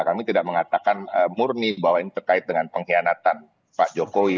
kami tidak mengatakan murni bahwa ini terkait dengan pengkhianatan pak jokowi